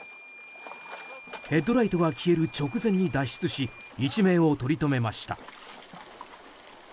ヘッドライトが消える直前に脱出し一命をとりとめました。